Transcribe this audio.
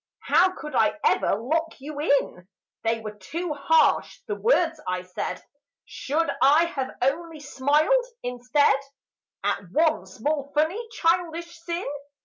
How could I ever lock you in? They were too harsh, the words I said. Should I have only smiled, instead, At one small funny childish sin?